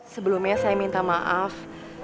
sebelumnya saya minta maaf